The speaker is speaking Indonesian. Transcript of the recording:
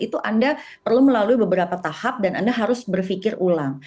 itu anda perlu melalui beberapa tahap dan anda harus berpikir ulang